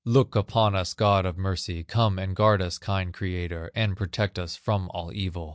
Look upon us, God of mercy, Come and guard us, kind Creator, And protect us from all evil!